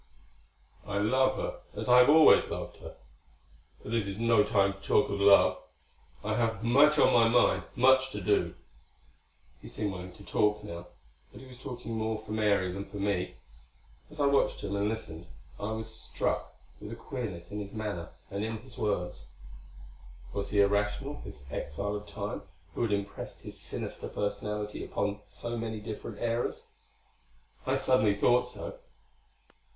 "I love her as I have always loved her.... But this is no time to talk of love. I have much on my mind; much to do." He seemed willing to talk now, but he was talking more for Mary than for me. As I watched him and listened, I was struck with a queerness in his manner and in his words. Was he irrational, this exile of Time who had impressed his sinister personality upon so many different eras? I suddenly thought so.